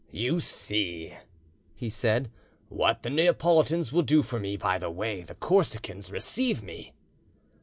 "You see," he said, "what the Neapolitans will do for me by the way the Corsicans receive me."